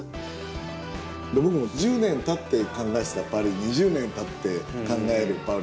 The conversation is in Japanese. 僕も１０年たって考えてたパリ２０年たって考えるパリ